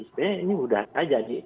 sebenarnya ini sudah saja